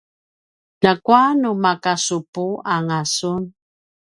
ljakua nu maka supu anga sun